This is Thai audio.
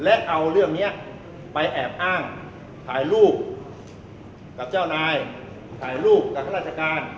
และเอาเรื่องนี้ไปแอบอ้างถ่ายรูปกับเจ้านายถ่ายรูปกับข้าราชการ